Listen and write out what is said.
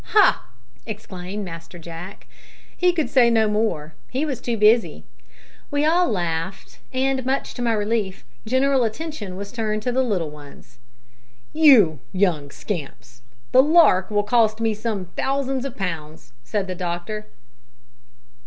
"Hah!" exclaimed Master Jack. He could say no more. He was too busy! We all laughed, and, much to my relief, general attention was turned to the little ones. "You young scamps! the `lark' will cost me some thousands of pounds," said the doctor.